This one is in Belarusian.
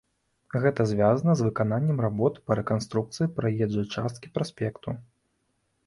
Гэта звязана з выкананнем работ па рэканструкцыі праезджай часткі праспекту.